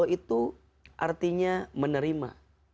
ridho itu artinya menerima